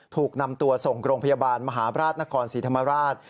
ถูกนำตัวส่งโรงพยาบาลมหาบราชนครศรีธรรมราช